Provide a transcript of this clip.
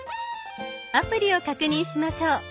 アプリを確認しましょう。